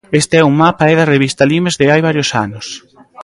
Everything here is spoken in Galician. Este é un mapa é da revista Limes de hai varios anos.